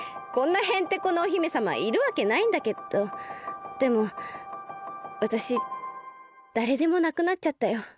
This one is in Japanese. こんなヘンテコなお姫さまいるわけないんだけどでもわたしだれでもなくなっちゃったよ。